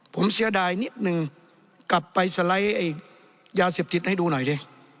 ผมเสียดายนิดนึงกลับไปสไลด์ไอ้ยาเสพติดให้ดูหน่อยดิ